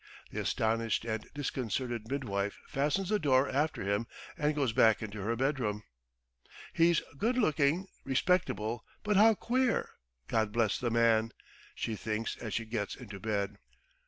The astonished and disconcerted midwife fastens the door after him and goes back into her bedroom. "He's good looking, respectable, but how queer, God bless the man! ..." she thinks as she gets into bed.